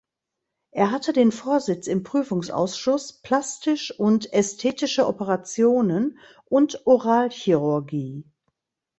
Er hatte den Vorsitz im Prüfungsausschuss „Plastisch und Ästhetische Operationen“ und Oralchirurgie.